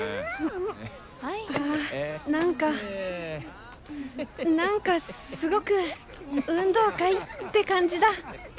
ああ何か何かすごく運動会って感じだ